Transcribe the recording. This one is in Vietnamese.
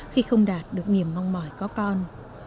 khi không đạt được nghiềm mong mỏi có con